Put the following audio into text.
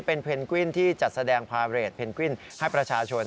เป็นเพนกวินที่จัดแสดงพาเรทเพนกวินให้ประชาชน